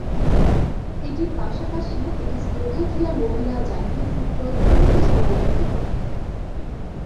এটির পাশাপাশি এটি স্লোভাকিয়া মহিলা জাতীয় ফুটবল দলও সংগঠিত করে।